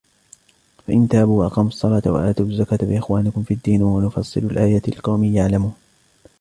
فإن تابوا وأقاموا الصلاة وآتوا الزكاة فإخوانكم في الدين ونفصل الآيات لقوم يعلمون